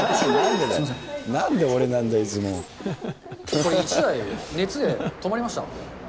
これ１台、熱で止まりました。